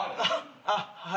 あっはい。